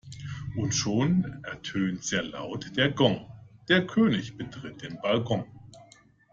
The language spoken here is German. Und schon ertönt sehr laut der Gong, der König betritt den Balkon.